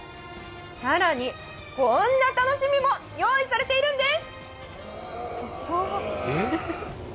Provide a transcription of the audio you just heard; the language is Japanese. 更に、こんな楽しみも用意されているんです！